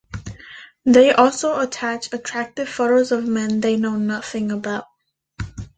They also attach attractive photos of men they know nothing about.